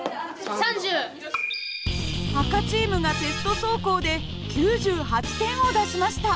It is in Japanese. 赤チームがテスト走行で９８点を出しました。